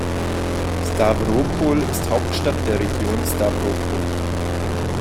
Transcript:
Stawropol ist Hauptstadt der Region Stawropol.